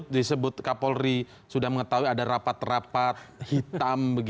disebut kapolri sudah mengetahui ada rapat rapat hitam